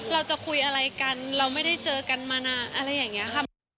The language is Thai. เราจะคุยอะไรกันเราไม่ได้เจอกันมานานอะไรอย่างนี้ค่ะ